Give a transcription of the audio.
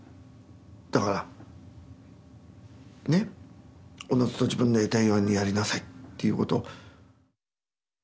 だからねおのずと自分のやりたいようにやりなさいっていうことを。